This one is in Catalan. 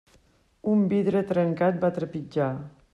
Un vidre trencat, va trepitjar.